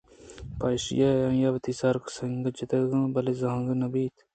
پہ ایشیءَ آئیءَ وتی سر سنگ ءَ جَتگ بلئے زانگ نہ بیت